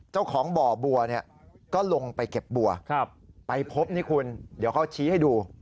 เจ้าของบ่อบัวเนี่ยก็ลงไปเก็บบัวไปพบนี่คุณเดี๋ยวเขาชี้ให้ดู